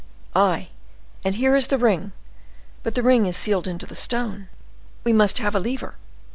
"Ay, and here is the ring—but the ring is sealed into the stone." "We must have a lever."